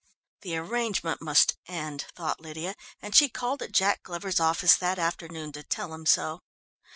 The arrangement must end, thought Lydia, and she called at Jack Glover's office that afternoon to tell him so.